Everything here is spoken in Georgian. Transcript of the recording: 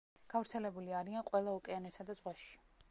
გავრცელებული არიან ყველა ოკეანესა და ზღვაში.